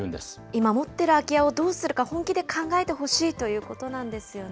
今持ってる空き家をどうするか、本気で考えてほしいということなんですよね。